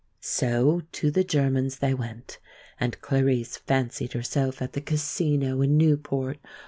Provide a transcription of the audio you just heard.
So to the German's they went, and Clarice fancied herself at the Casino in Newport.